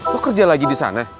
lo kerja lagi disana